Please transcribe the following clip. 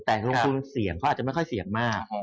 แต่ลงทุนเสี่ยงเขาอาจจะไม่ค่อยเสี่ยงมาก